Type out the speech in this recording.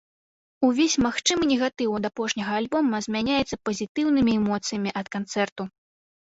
Увесь магчымы негатыў ад апошняга альбома змяняецца пазітыўнымі эмоцыямі ад канцэрту.